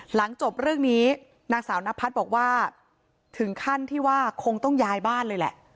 หลังจบเรื่องนี้นางสาวนพัฒน์บอกว่าถึงขั้นที่ว่าคงต้องย้ายบ้านเลยแหละ